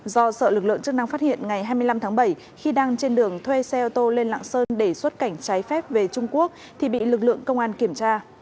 do sợ lực lượng chức năng phát hiện ngày hai mươi năm tháng bảy khi đang trên đường thuê xe ô tô lên lạng sơn để xuất cảnh trái phép về trung quốc thì bị lực lượng công an kiểm tra